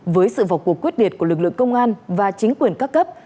với sự vọc cuộc quyết địệt của lực lượng công an và chính quyền các cấp